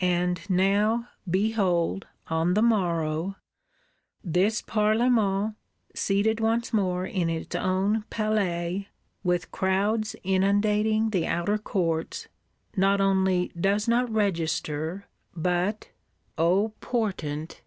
And now, behold, on the morrow, this Parlement, seated once more in its own Palais, with "crowds inundating the outer courts," not only does not register, but (O portent!)